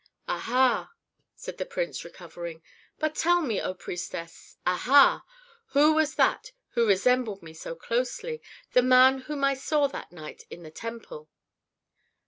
"Aha!" said the prince, recovering. "But tell me, O, priestess, aha! who was that who resembled me so closely, the man whom I saw that night in the temple?"